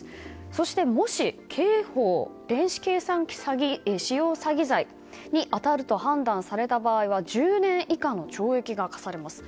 そして、もし刑法電子計算機使用詐欺罪に当たると判断された場合は１０年以下の懲役が科されます。